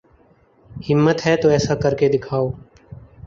ہمت ہے تو ایسا کر کے دکھاؤ